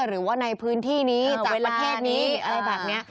หรือว่าในพื้นที่นี้จากประเทศนี้อะไรแบบนี้